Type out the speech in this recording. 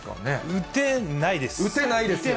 打てないです。